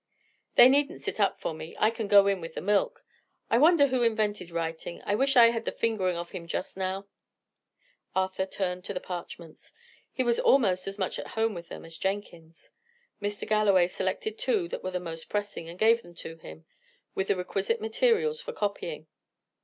They needn't sit up for me I can go in with the milk. I wonder who invented writing? I wish I had the fingering of him just now!" Arthur turned to the parchments. He was almost as much at home with them as Jenkins. Mr. Galloway selected two that were most pressing, and gave them to him, with the requisite materials for copying.